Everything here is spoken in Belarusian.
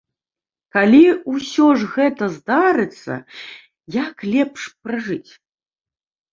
Калі ўсё ж гэта здарыцца, як лепш пражыць?